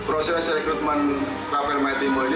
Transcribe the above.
rafael maitimo ini sebetulnya sudah berlangsung cukup lama